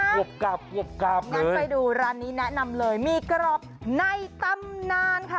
วบกราบกวบกราบงั้นไปดูร้านนี้แนะนำเลยมีกรอบในตำนานค่ะ